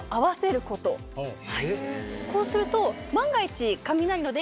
こうすると。